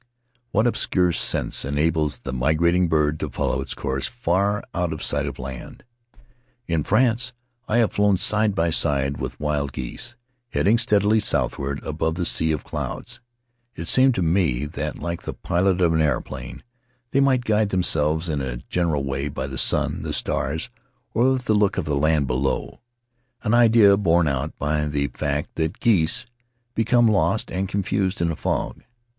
What obscure sense enables the migrating bird to follow its course far out of sight of land? In France, I have flown side by side with wild geese, heading steadily southward above a sea of clouds. It seemed to me that — like the pilot of an airplane — they might guide themselves, in a general way, by the sun, the stars, or the look of the land below — an idea borne out by the fact that geese become lost and confused in a fog.